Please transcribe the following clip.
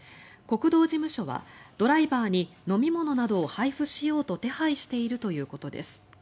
国道事務所はドライバーに飲み物などを配布しようと手配しているということです。